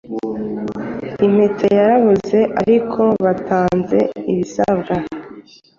Impeta ya rabuze ariko batanze ibisabwa